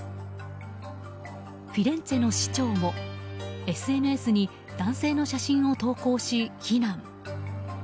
フィレンツェの市長もＳＮＳに男性の写真を投稿し、非難。